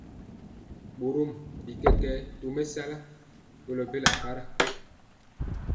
Borom bi kɛkɛɛ tomesala kolo bela para.